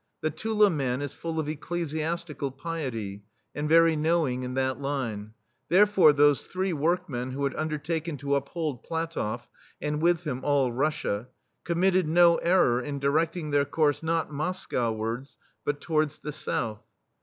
The Tula man is full of ecclesiastical piety, and very know ing in that line; therefore those three workmen who had undertaken to up hold PlatofF, and with him all Russia, committed no error in diredting their course not Moscow wards but towards the South.